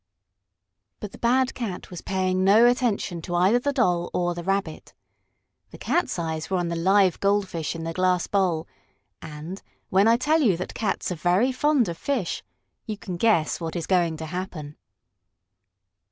But the bad cat was paying no attention to either the Doll or the Rabbit. The cat's eyes were on the live goldfish in the glass bowl, and, when I tell you that cats are very fond of fish, you can guess what is going to happen.